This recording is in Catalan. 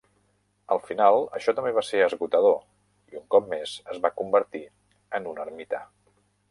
Al final, això també va ser esgotador i, un cop més, es va convertir en un ermità.